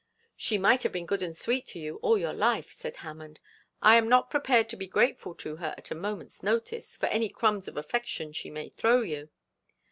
'She might have been good and sweet to you all your life,' said Hammond. 'I am not prepared to be grateful to her at a moment's notice for any crumbs of affection she may throw you.'